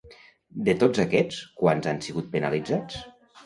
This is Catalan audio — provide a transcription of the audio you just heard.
De tots aquests, quants han sigut penalitzats?